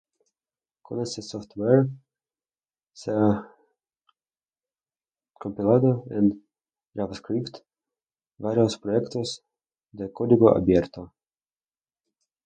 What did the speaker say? Con este software, se ha compilado en Javascript varios proyectos de código abierto.